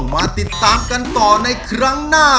เกิดเสียแฟนไปช่วยไม่ได้นะ